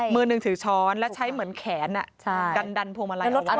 มือหนึ่งถือช้อนแล้วใช้เหมือนแขนกันดันพวงมาลัยรถอะไร